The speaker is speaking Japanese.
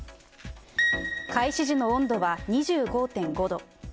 開始時の温度は２５．５度。